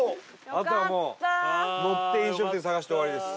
あとはもう乗って飲食店探して終わりです。